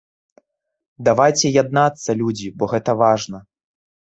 Давайце яднацца, людзі, бо гэта важна.